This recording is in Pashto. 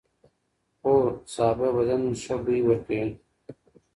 هو، سابه بدن ښه بوی ورکوي.